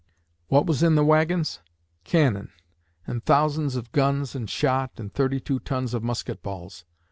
What was in the wagons? Cannon! and thousands of guns and shot and thirty two tons of musket balls!